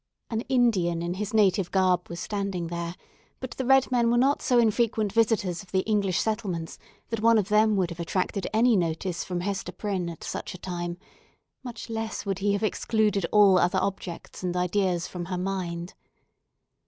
An Indian in his native garb was standing there; but the red men were not so infrequent visitors of the English settlements that one of them would have attracted any notice from Hester Prynne at such a time; much less would he have excluded all other objects and ideas from her mind.